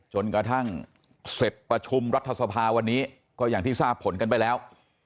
จนกระทั่งเสร็จประชุมรัฐสภาวันนี้ก็อย่างที่ทราบผลกันไปแล้ว